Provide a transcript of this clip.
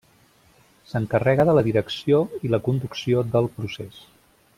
S'encarrega de la direcció i la conducció del procés.